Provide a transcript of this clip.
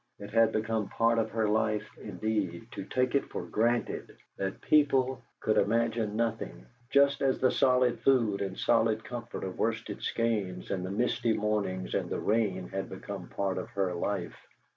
It had become part of her life, indeed, to take it for granted that people could imagine nothing; just as the solid food and solid comfort of Worsted Skeynes and the misty mornings and the rain had become part of her life.